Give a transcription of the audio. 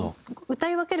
歌い分ける